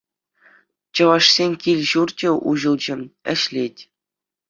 Чӑвашсен кил-ҫурчӗ уҫӑлчӗ, ӗҫлет.